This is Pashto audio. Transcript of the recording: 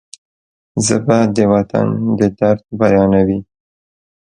ژبه د وطن د درد بیانوي